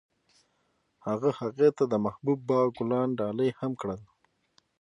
هغه هغې ته د محبوب باغ ګلان ډالۍ هم کړل.